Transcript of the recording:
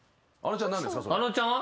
あのちゃんは？